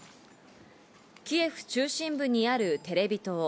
キエフ中心部にあるテレビ塔。